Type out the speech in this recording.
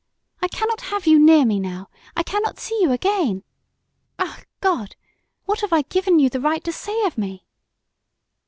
I cannot have you near me now I cannot see you again. Ach, God! What have I given you the right to say of me?"